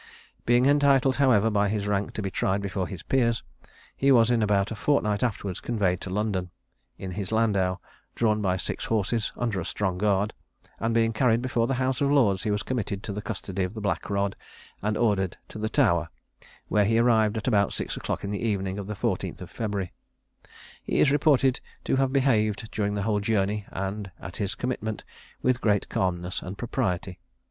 Being entitled, however, by his rank to be tried before his peers, he was in about a fortnight afterwards conveyed to London, in his landau, drawn by six horses, under a strong guard; and being carried before the House of Lords, he was committed to the custody of the Black Rod, and ordered to the Tower, where he arrived at about six o'clock in the evening of the 14th February. He is reported to have behaved, during the whole journey and at his commitment, with great calmness and propriety.